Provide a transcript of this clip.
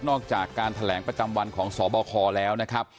ออกจากการแถลงประจำวันของสบคแล้วนะครับ